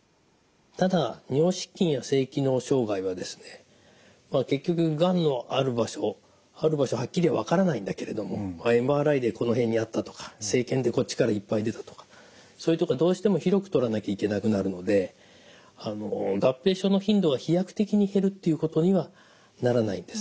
ただ尿失禁や性機能障害はですね結局がんのある場所ある場所はっきり分からないんだけれどもＭＲＩでこの辺にあったとか生検でこっちからいっぱい出たとかそういう所はどうしても広く取らなきゃいけなくなるので合併症の頻度は飛躍的に減るっていうことにはならないんですね。